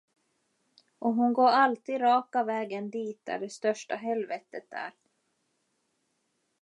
Och hon går alltid raka vägen dit där det största helvetet är.